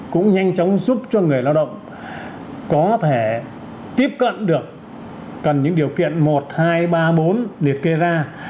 cũng nhanh chóng giúp cho người lao động có thể tiếp cận được cần những điều kiện một hai ba bốn liệt kê ra